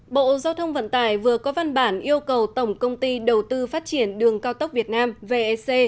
bộ giao thông vận tải vừa có văn bản yêu cầu tổng công ty đầu tư phát triển đường cao tốc việt nam vec